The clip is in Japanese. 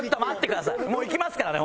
もういきますからね